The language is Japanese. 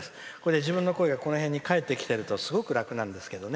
自分の声が返ってきてるとすごく楽なんですけどね。